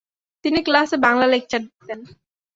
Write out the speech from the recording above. তিনি ক্লাসে বাংলায় লেকচার দিতেন।